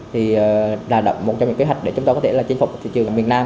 thì là một trong những kế hoạch để chúng tôi có thể là chinh phục thị trường miền nam